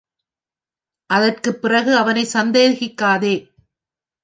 அதற்குப் பிறகு அவனைச் சந்தேகிக்காதே.